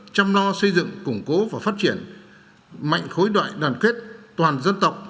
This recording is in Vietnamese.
chăm lo xây dựng củng cố và phát triển mạnh khối đoại đoàn quyết toàn dân tộc